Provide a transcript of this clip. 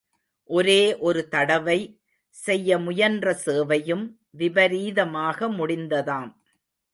ஒரே ஒரு தடவை செய்ய முயன்ற சேவையும் விபரீதமாக முடிந்ததாம்.